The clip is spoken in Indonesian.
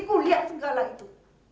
kuliah segala itu